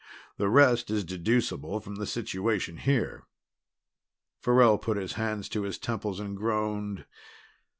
The rest is deducible from the situation here." Farrell put his hands to his temples and groaned.